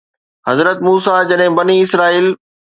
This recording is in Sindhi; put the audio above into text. حضرت موسيٰ جڏهن بني اسرائيل